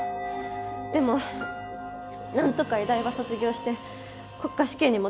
でもなんとか医大は卒業して国家試験にも通ったんです。